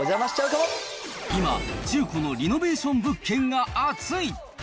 今、中古のリノベーション物件がアツイ。